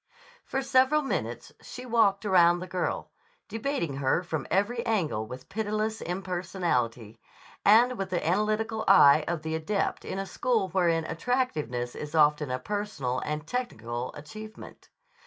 For several minutes she walked around the girl, debating her from every angle with pitiless impersonality, and with the analytical eye of the adept in a school wherein attractiveness is often a personal and technical achievement.